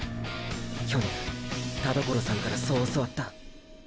去年田所さんからそう教わった。